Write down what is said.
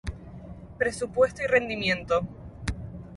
Presupuesto y rendimiento